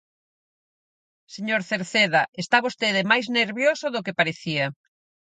Señor Cerceda, está vostede máis nervioso do que parecía.